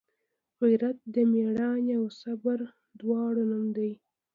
غیرت د میړانې او صبر دواړو نوم دی